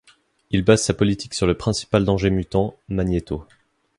Il base sa politique sur le principal danger mutant, Magneto.